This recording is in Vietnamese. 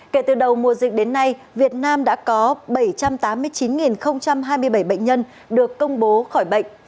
kể từ đầu mùa dịch đến nay việt nam đã có bảy trăm tám mươi chín hai mươi bảy bệnh nhân được công bố khỏi bệnh